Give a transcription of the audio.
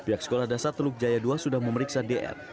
pihak sekolah dasar teluk jaya dua sudah memeriksa dr